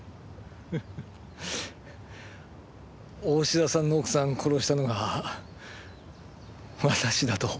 大信田さんの奥さん殺したのが私だと？